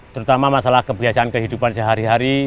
terutama masalah kebiasaan kehidupan sehari hari